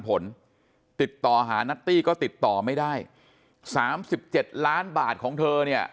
ผลติดต่อหานัตตี้ก็ติดต่อไม่ได้๓๗ล้านบาทของเธอเนี่ย